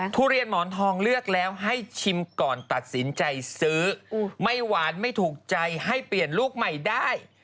ทุเรียนหมอนทองเลือกแล้วให้ชิมก่อนตัดสินใจซื้อไม่หวานไม่ถูกใจให้เปลี่ยนลูกใหม่ได้